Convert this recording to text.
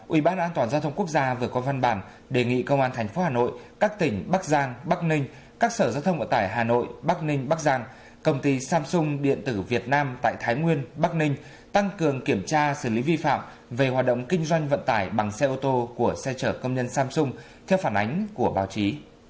ủy ban an toàn giao thông quốc gia vừa có văn bản đề nghị công an tp hà nội các tỉnh bắc giang bắc ninh các sở giao thông ở tải hà nội bắc ninh bắc giang công ty samsung điện tử việt nam tại thái nguyên bắc ninh tăng cường kiểm tra xử lý vi phạm về hoạt động kinh doanh vận tải bằng xe ô tô của xe chở công nhân samsung theo phản ánh của báo chí